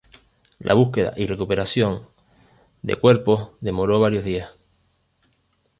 La búsqueda y recuperación de cuerpos demoró varios días.